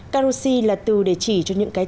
karoshi là từ để chỉ cho những cái trị